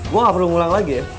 gue gak perlu mengulang lagi ya